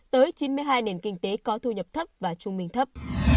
tới chín mươi hai nền kinh tế có thu nhập thấp và trung bình thấp